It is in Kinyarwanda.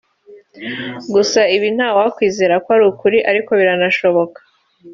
gusa ibi ntawakwizera ko ari ukuri ariko biranashoboka